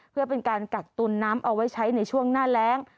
เพื่อเป็นการกักตุนน้ำเอาไว้ใช้ในช่วงหน้าแรง